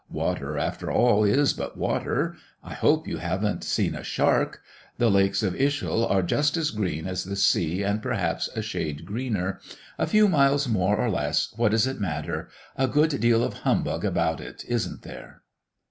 Water, after all, is but water! I hope you haven't seen a shark? The lakes of Ischl are just as green as the sea, and perhaps a shade greener. A few miles more or less what does it matter? A good deal of humbug about it, isn't there?"